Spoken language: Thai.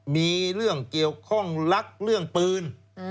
มีเรื่องเกี่ยวข้องรักเรื่องปืน